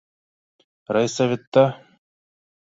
Райсоветта